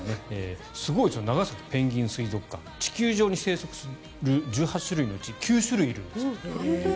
すごいですよ長崎ペンギン水族館は地球上に生息する１８種類のうち９種類いるんですって。